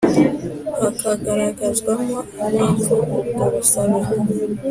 Hakagaragazwamo impamvu ubwo busabe